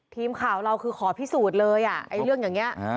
ทีมข่าวเราคือขอพิสูจน์เลยอ่ะไอ้เรื่องอย่างนี้